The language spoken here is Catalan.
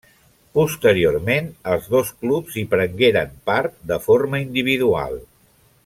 Posteriorment, els dos clubs hi prengueren part de forma individual.